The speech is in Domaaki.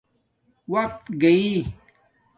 وقت گݶ